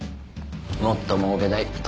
もっともうけたい。